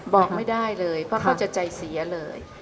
บอกไม่ได้เลยเพราะเขาจะใจเสียเลย